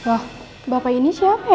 wah bapak ini siapa ya